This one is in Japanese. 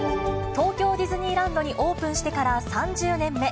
東京ディズニーランドにオープンしてから３０年目。